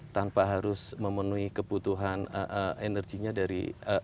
tanpa harus memenuhi kebutuhan energinya dari